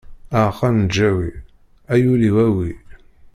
Aɛeqqa n lǧawi, a yul-iw awi!